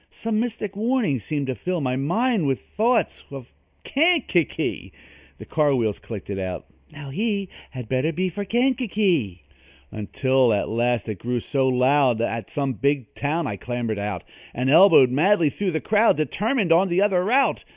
Some mystic warning seemed to fill My mind with thoughts of Kankakee, The car wheels clicked it out: "Now, he Had better be for Kankakee!" Until at last it grew so loud, At some big town I clambered out And elbowed madly through the crowd, Determined on the other route.